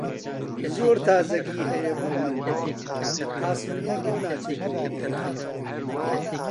زۆر تازەگی هەیە بۆ من! قاسملوو بۆ ناچێتەوە ئێران؟